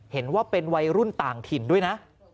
เห็นว่าเป็นวัยรุ่นต่างถิ่นด้วยนะ